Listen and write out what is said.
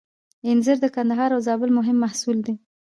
انځر د کندهار او زابل مهم محصول دی.